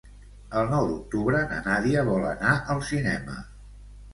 El nou d'octubre na Nàdia vol anar al cinema.